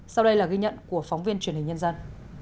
sau đây là ghi nhận của phóng viên truyền hình nhân dân